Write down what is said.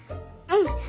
うん。